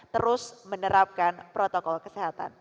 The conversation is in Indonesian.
terus menerapkan protokol kesehatan